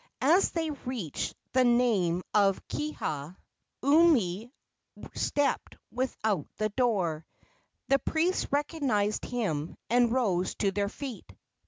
As they reached the name of Kiha, Umi stepped without the door. The priests recognized him and rose to their feet.